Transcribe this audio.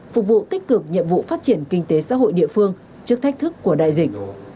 phục vụ tích cực nhiệm vụ phát triển kinh tế xã hội địa phương trước thách thức của đại dịch